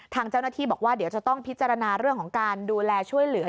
ทางเจ้าหน้าที่บอกว่าเดี๋ยวจะต้องพิจารณาเรื่องของการดูแลช่วยเหลือ